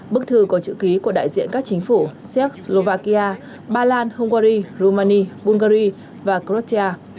bức thư có chữ ký của đại diện các chính phủ czech slovakia ba lan hungary romania bulgaria và croatia